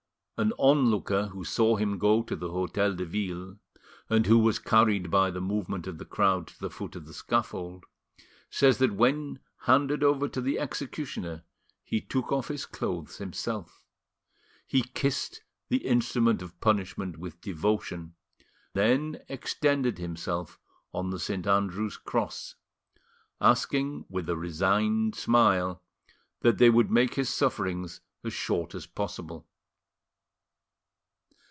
An onlooker who saw him go to the Hotel de Ville, and who was carried by the movement of the crowd to the foot of the scaffold, says that when handed over to the executioner he took off his clothes himself. He kissed the instrument of punishment with devotion, then extended himself on the St. Andrew's cross, asking with a resigned smile that they would make his sufferings as short as possible.